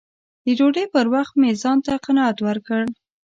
د ډوډۍ پر وخت مې ځان ته قناعت ورکړ